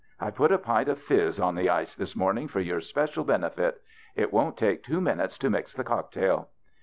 I put a pint of fizz on the ice this morning for your special benefit. It won't take two minutes to mix the cock tail."